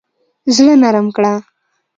زړه نرم کړه.